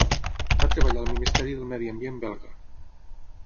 Va treballar al Ministeri del Medi Ambient belga.